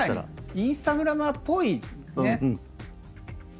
インスタグラマーっぽいね。